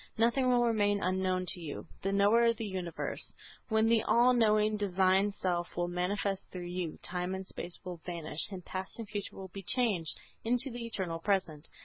Nothing will remain unknown to you, the Knower of the universe. When the all knowing Divine Self will manifest through you, time and space will vanish and past and future will be changed into the eternal present.